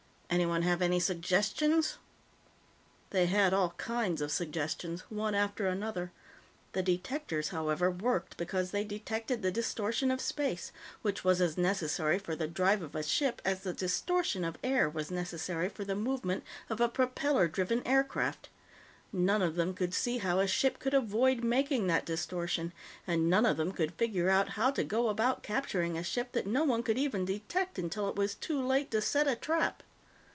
Anyone have any suggestions?" They had all kinds of suggestions, one after another. The detectors, however, worked because they detected the distortion of space which was as necessary for the drive of a ship as the distortion of air was necessary for the movement of a propeller driven aircraft. None of them could see how a ship could avoid making that distortion, and none of them could figure out how to go about capturing a ship that no one could even detect until it was too late to set a trap.